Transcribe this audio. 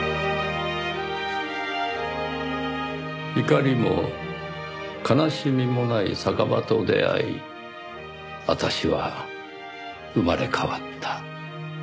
「怒りも哀しみもない酒場と出会いあたしは生まれ変わった」